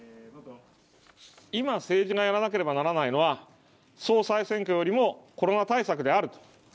今、政治がやらなければならないのは、総裁選挙よりもコロナ対策であると。